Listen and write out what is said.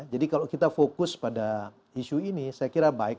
jadi kalau kita fokus pada isu ini saya kira baik